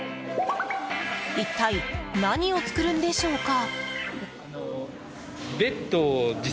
一体、何を作るんでしょうか。